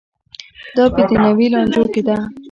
دا په دنیوي لانجو کې ده.